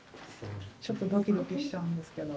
ちょっとドキドキしちゃうんですけど。